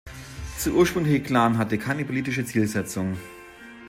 Dieser ursprüngliche Klan hatte keine politische Zielsetzung.